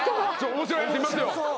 面白いやついますよ。